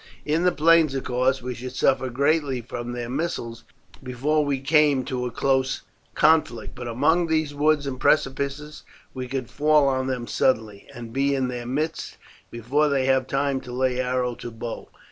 In the plains, of course, we should suffer greatly from their missiles before we came to a close conflict; but among these woods and precipices we could fall on them suddenly, and be in their midst before they have time to lay arrow to bow.